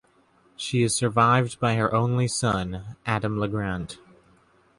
She is survived by her only son Adam LeGrant.